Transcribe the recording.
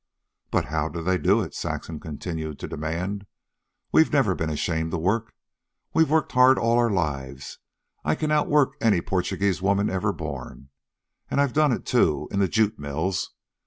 "But how do they do it?" Saxon continued to demand. "We've never been ashamed to work. We've worked hard all our lives. I can out work any Portuguese woman ever born. And I've done it, too, in the jute mills.